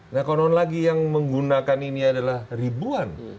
nah konon lagi yang menggunakan ini adalah ribuan